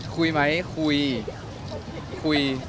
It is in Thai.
คุยมั้ยคุยคุย